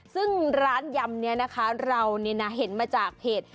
ซึ่งร้านยำนี้นะคะเรานี่นะเห็นมาจากเพจ